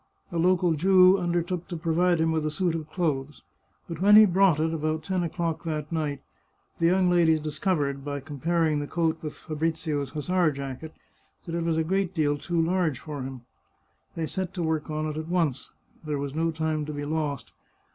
A local Jew undertook to provide him with a suit of clothes, but when he brought it, about ten o'clock that night, the young ladies discovered, by comparing the coat with Fabrizio's hussar jacket, that it was a great deal too large for him. They set to work on it at once; there was no time to be lost.